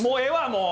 もう！